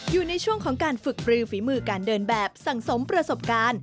อยู่ในช่วงของการฝึกปลือฝีมือการเดินแบบสังสมประสบการณ์